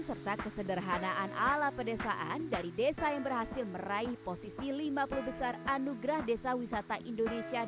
serta kesederhanaan ala pedesaan dari desa yang berhasil meraih posisi lima puluh besar anugerah desa wisata indonesia dua ribu dua puluh satu ini